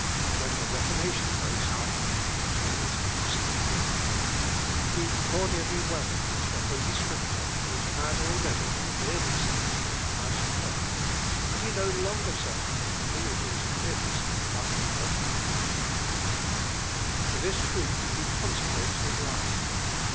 When the Reformation breaks out he turns a listening ear. He cordially welcomes the Holy Scripture, which had already endeared itself to him as a poet, and he no longer searches it for images and hymns, but for the light of truth. To this truth he consecrates his lyre.